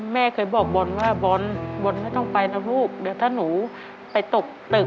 แม่เคยบอกบอลว่าบอลบอลไม่ต้องไปนะลูกเดี๋ยวถ้าหนูไปตกตึก